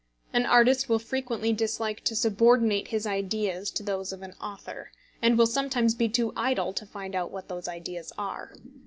An artist will frequently dislike to subordinate his ideas to those of an author, and will sometimes be too idle to find out what those ideas are.